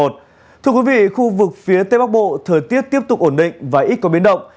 thưa quý vị khu vực phía tây bắc bộ thời tiết tiếp tục ổn định và ít có biến động